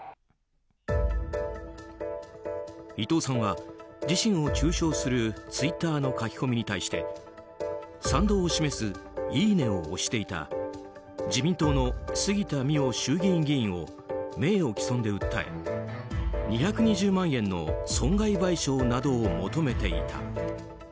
伊藤さんは自身を中傷するツイッターの書き込みに対して賛同を示すいいねを押していた自民党の杉田水脈衆院議員を名誉毀損で訴え２２０万円の損害賠償などを求めていた。